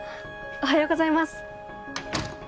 おはようございます。